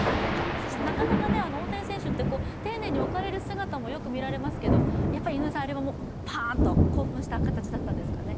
大谷選手って丁寧に置かれる姿がよく見られますけど、あれはパーンと、興奮した形だったんですかね？